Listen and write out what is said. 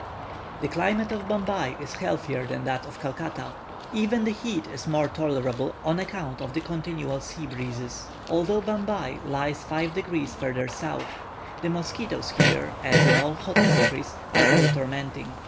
The climate of Bombay is healthier than that of Calcutta; even the heat is more tolerable on account of the continual sea breezes, although Bombay lies five degrees further south. The mosquitoes here, as in all hot countries, are very tormenting.